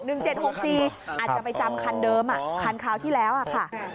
อาจจะไปจำคันเดิมคันคราวที่แล้วค่ะ